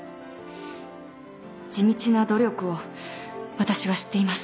地道な努力を私は知っています。